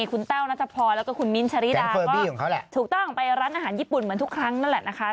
คุณแต้วนัทพรแล้วก็คุณมิ้นท์ชาริดาก็ถูกต้องไปร้านอาหารญี่ปุ่นเหมือนทุกครั้งนั่นแหละนะคะ